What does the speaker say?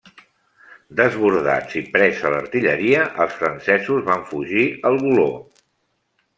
Desbordats i presa l'artilleria, els francesos van fugir al Voló.